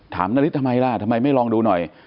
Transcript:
นาริสทำไมล่ะทำไมไม่ลองดูหน่อย